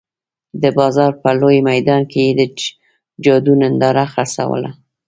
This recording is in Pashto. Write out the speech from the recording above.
د بازار په لوی میدان کې یې د جادو ننداره خرڅوله.